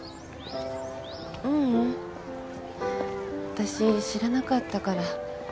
わたし知らなかったから。